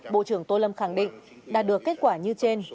bộ trưởng tô lâm khẳng định đạt được kết quả như trên